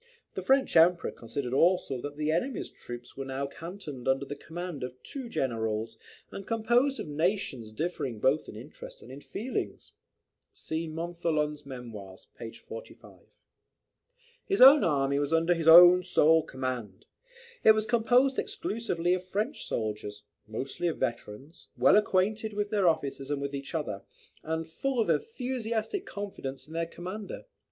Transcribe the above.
The French Emperor considered also that "the enemy's troops were now cantoned under the command of two generals, and composed of nations differing both in interest and in feelings." [See Montholon's Memoirs, p. 45.] His own army was under his own sole command. It was composed exclusively of French soldiers, mostly of veterans, well acquainted with their officers and with each other, and full of enthusiastic confidence in their commander.